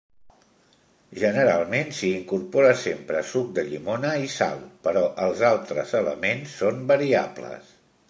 Generalment s'hi incorpora sempre suc de llimona i sal però els altres elements són variables.